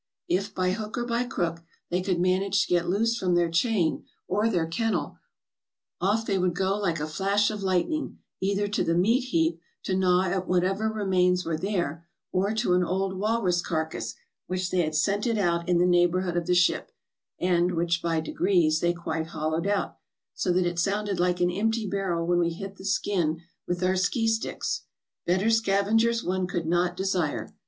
If by hook or by crook they could manage to get loose from their chain, or their kennel, off they would go like a flash of lightning, either to the meat heap, to gnaw at whatever remains were there, or to an old walrus carcass, which they had scented out in the neighborhood of the ship, and which, by degrees, they quite hollowed out, so that it sounded like an empty barrel when we hit the skin with our ski sticks. Better scavengers one could not desire.